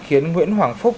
khiến nguyễn hoàng phúc